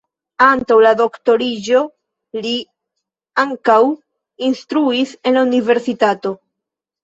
Antaŭ la doktoriĝo li ankaŭ instruis en la universitato.